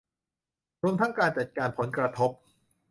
รวมทั้งการจัดการผลกระทบ